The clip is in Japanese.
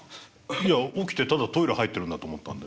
いや起きてただトイレ入ってるんだと思ったんで。